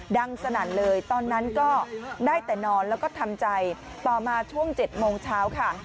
สนั่นเลยตอนนั้นก็ได้แต่นอนแล้วก็ทำใจต่อมาช่วง๗โมงเช้าค่ะ